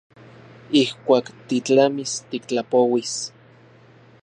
Ijkuak titlamis tiktlapouis.